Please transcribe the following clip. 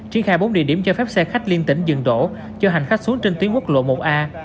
triển khai bốn địa điểm cho phép xe khách liên tỉnh dừng đổ cho hành khách xuống trên tuyến quốc lộ một a